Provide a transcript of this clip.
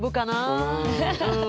うん。